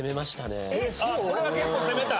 これは結構攻めた？